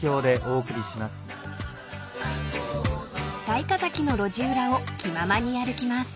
［雑賀崎の路地裏を気ままに歩きます］